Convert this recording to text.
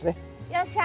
よっしゃ！